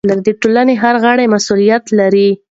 د ټولنې هر غړی مسؤلیت لري.